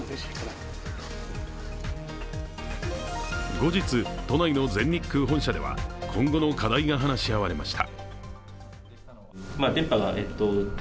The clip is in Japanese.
後日、都内の全日空本社では今後の課題が話し合われました。